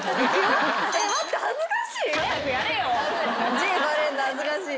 字バレんの恥ずかしい。